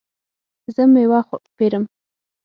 زه میوه پیرم